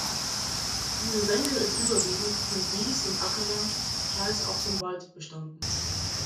Diese Senke ist überwiegend von Wies- und Ackerland, teils auch von Wald bestanden.